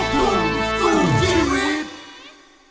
ขอให้มันสิ้นสุดเพียงแค่นี้